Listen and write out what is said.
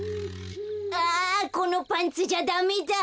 あこのパンツじゃダメだ。